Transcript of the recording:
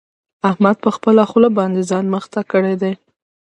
احمد په خپله خوله باندې ځان مخته کړی دی.